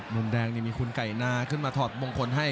มุมแดงนี่มีคุณไก่นาขึ้นมาถอดมงคลให้